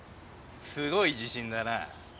すごい自信だなぁ。